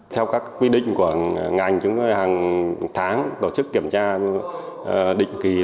theo các quy định của ngành chúng tôi hàng tháng tổ chức kiểm tra định kỳ